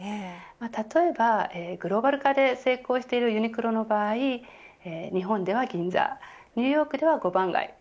例えばグローバル化で成功しているユニクロは日本では銀座ニューヨークでは五番街